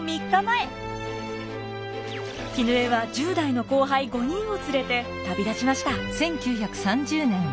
絹枝は１０代の後輩５人を連れて旅立ちました。